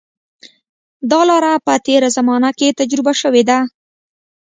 دا لاره په تېره زمانه کې تجربه شوې ده.